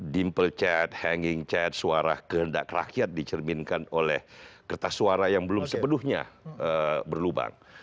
dimple chat hanging chat suara kehendak rakyat dicerminkan oleh kertas suara yang belum sepenuhnya berlubang